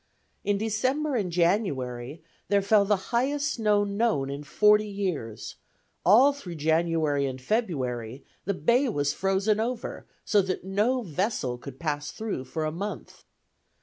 In December and January there fell the highest snow known in forty years; all through January and February, the Bay was frozen over, so that no vessel could pass through for a month.